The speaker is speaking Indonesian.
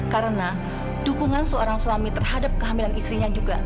karena dukungan suami terhadap kehamilan istrinya juga